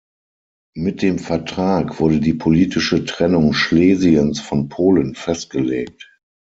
Mit dem Vertrag wurde die politische Trennung Schlesiens von Polen festgelegt.